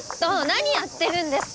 何やってるんですか！？